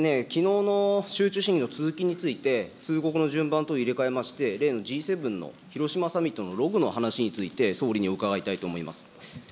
その前にですね、きのうの集中審議の続きについて、通告の順番等を入れ替えまして、例のＧ７の広島サミットのロゴのお話について、総理に伺いたいと思います。